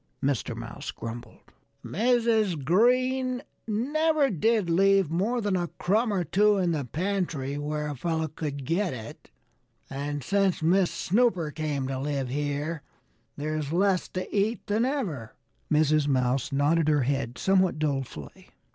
Mr. Mouse grumbled. "Mrs. Green never did leave more than a crumb or two in the pantry where a fellow could get it. And since Miss Snooper came to live here there's less to eat than ever." Mrs. Mouse nodded her head somewhat dolefully.